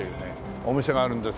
お店があるんですけども。